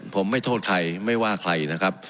ผมไม่โทษใครไม่ว่าใครนะครับ